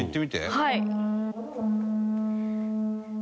はい。